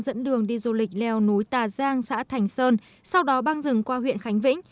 dẫn đường đi du lịch leo núi tà giang xã thành sơn sau đó băng rừng qua huyện khánh vĩnh